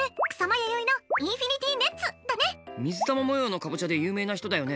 水玉模様の南瓜で有名な人だよね？